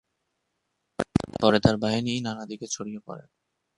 পরে তার বাহিনী নানা দিকে ছড়িয়ে পড়ে।